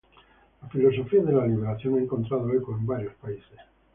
La filosofía de la liberación ha encontrado eco en varios países.